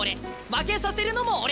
負けさせるのも俺！